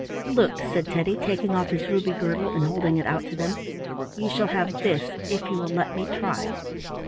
"Look!" said Teddy, taking off his ruby girdle and holding it out to them. "You shall have this if you will let me try."